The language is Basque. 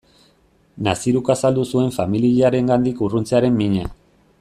Naziruk azaldu zuen familiarengandik urruntzearen mina.